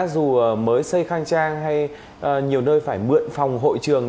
dù mới xây khang trang hay nhiều nơi phải mượn phòng hội trường